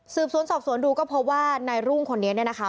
สืบสวนสอบสวนดูก็เพราะว่าในล่วงคนนี้เนี่ยนะคะ